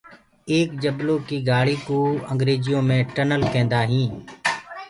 ايڪ جبلو ڪي گھآݪ ڪُو انگريجيو مي ٽنل ڪيندآ هي۔